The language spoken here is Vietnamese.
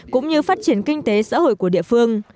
cũng như phát triển kinh tế xã hội của địa phương